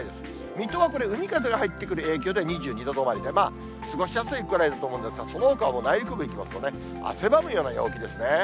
水戸は海風が入ってくる影響で、２２度止まりで、過ごしやすいぐらいだと思うんですが、そのほかは内陸部いきますと、汗ばむような陽気ですね。